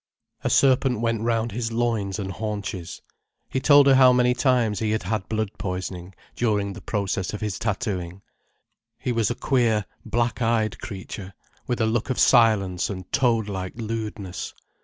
A serpent went round his loins and haunches. He told her how many times he had had blood poisoning, during the process of his tattooing. He was a queer, black eyed creature, with a look of silence and toad like lewdness.